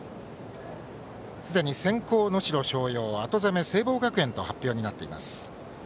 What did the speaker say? すでに先攻、能代松陽後攻め聖望と発表になっています。